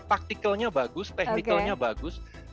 taktikalnya bagus teknikalnya bagus